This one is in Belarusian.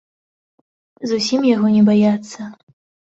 Зусім яго не баяцца.